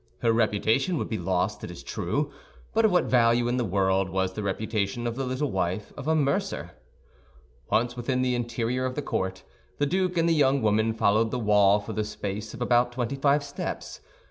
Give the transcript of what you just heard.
Her reputation would be lost, it is true; but of what value in the world was the reputation of the little wife of a mercer? Once within the interior of the court, the duke and the young woman followed the wall for the space of about twenty five steps.